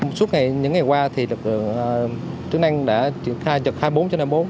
trước những ngày qua chức năng đã triển khai hai mươi bốn trên hai mươi bốn